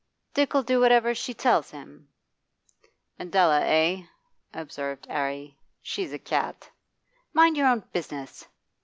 'Dick 'll do whatever she tells him.' 'Adela, eh?' observed 'Arry. 'She's a cat.' 'You mind your own business!